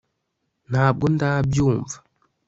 ntabwo ndabyumva